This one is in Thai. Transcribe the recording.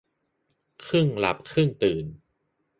ครึ่งหลับครึ่งตื่น